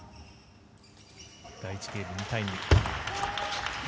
第１ゲーム、２対２。